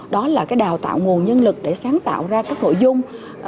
đó là đào tạo nguồn nhân lực để sáng tạo ra các nội dung